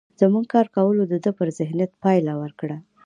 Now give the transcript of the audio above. زموږ کار کولو د ده پر ذهنيت پايله ورکړه.